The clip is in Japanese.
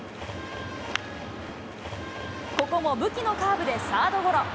ここも武器のカーブでサードゴロ。